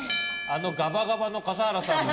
あのガバガバの笠原さんでも。